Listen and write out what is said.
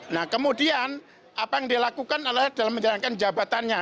nah kemudian apa yang dilakukan adalah dalam menjalankan jabatannya